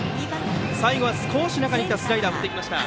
最後は少し中に入ったスライダーを振ってきました。